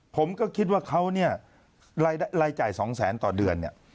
ผมก็คิดว่าเขาเนี่ยรายจ่าย๒แสนต่อเดือนเนี่ย